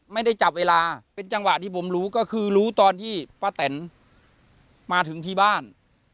ไม่ได้จับเวลาเป็นจังหวะที่ผมรู้ก็คือรู้ตอนที่ป้าแตนมาถึงที่บ้าน